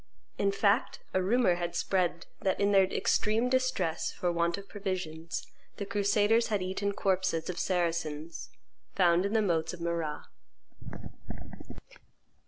In fact a rumor had spread that, in their extreme distress for want of provisions, the crusaders had eaten corpses of Saracens found in the moats of Marrah.